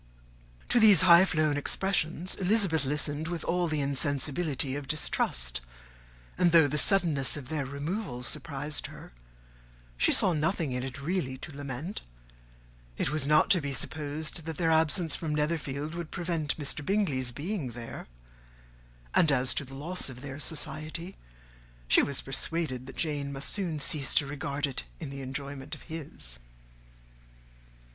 '" To these high flown expressions Elizabeth listened with all the insensibility of distrust; and though the suddenness of their removal surprised her, she saw nothing in it really to lament: it was not to be supposed that their absence from Netherfield would prevent Mr. Bingley's being there; and as to the loss of their society, she was persuaded that Jane must soon cease to regard it in the enjoyment of his.